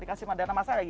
dikasih sama dana masalah